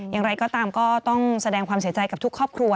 อย่างไรก็ตามก็ต้องแสดงความเสียใจกับทุกครอบครัว